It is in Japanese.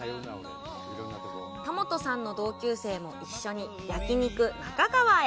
田元さんの同級生も一緒に焼き肉、仲川へ。